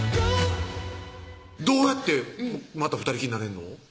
どうやってまた２人きりになれんの？